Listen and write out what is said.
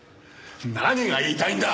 何が言いたいんだ？